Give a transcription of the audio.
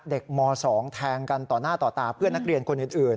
ม๒แทงกันต่อหน้าต่อตาเพื่อนนักเรียนคนอื่น